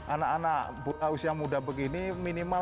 anak anak usia muda begini minimal